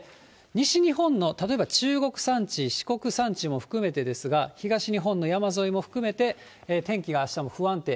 西日本の例えば中国山地、四国山地も含めてですが、東日本の山沿いも含めて、天気があしたも不安定。